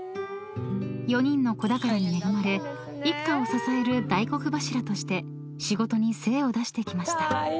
［４人の子宝に恵まれ一家を支える大黒柱として仕事に精を出してきました］